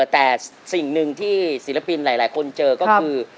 แต่สิ่งหนึ่งที่ศิลปินหลายคนเจอก็คือ